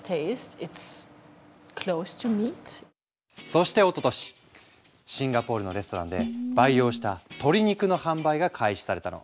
そしておととしシンガポールのレストランで培養した鶏肉の販売が開始されたの。